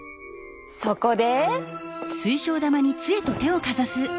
そこで。